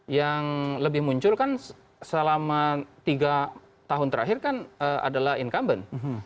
yang lebih muncul kan selama tiga tahun terakhir kan adalah incumbent